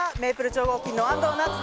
超合金の安藤なつ